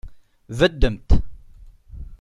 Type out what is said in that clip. Beddemt.